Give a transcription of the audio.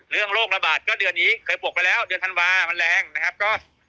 โรคระบาดก็เดือนนี้เคยปกไปแล้วเดือนธันวามันแรงนะครับ